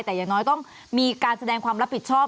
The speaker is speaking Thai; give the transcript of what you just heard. แต่อย่างน้อยต้องมีการแสดงความรับผิดชอบ